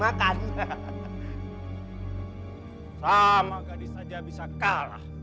abang ini apa yang agak saja bisa kalah